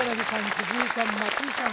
藤井さん松井さん